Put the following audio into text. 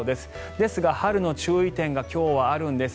ですが、春の注意点が今日はあるんです。